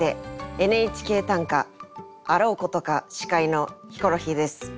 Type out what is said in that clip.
「ＮＨＫ短歌」あろうことか司会のヒコロヒーです。